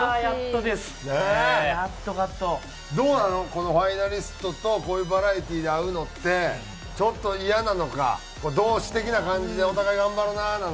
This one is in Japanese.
このファイナリストとこういうバラエティーで会うのってちょっとイヤなのか同志的な感じでお互い頑張ろうな！